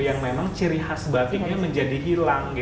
yang memang ciri khas batiknya menjadi hilang gitu kan